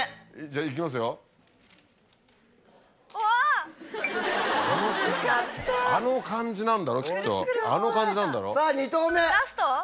あの感じなんだろきっと。